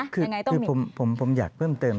คือผมอยากเพิ่มเติม